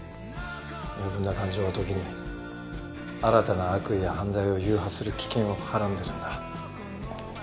余分な感情は時に新たな悪意や犯罪を誘発する危険をはらんでるんだ。